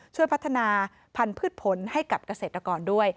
ช่วยพัฒนาพันธุ์พืชผลให้กับเกษตรกรด้วย